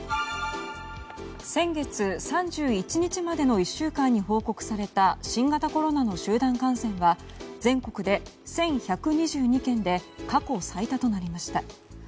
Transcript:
先月３１日までの１週間に報告された新型コロナの集団感染は全国で１１２２件で過去最多となりました。